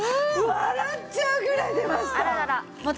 笑っちゃうぐらい出ました。